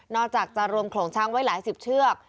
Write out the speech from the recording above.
จากจะรวมโขลงช้างไว้หลายสิบเชือก